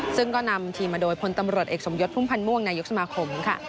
ซึ่งก็นำทีมมาโดยพลตำรวจเอกสมยศพุ่มพันธ์ม่วงนายกสมาคมค่ะ